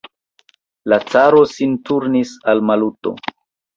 La caro sin turnis al Maluto.